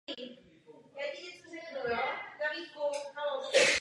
Proslavil se hlavně v divadle Semafor v Hudebním divadle Karlín a v divadle Rokoko.